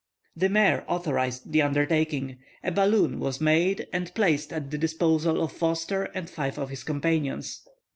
The Mayor authorized the undertaking, a balloon was made and placed at the disposal of Forster and five of his companions.